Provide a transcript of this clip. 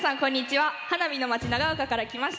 花火の町長岡から来ました。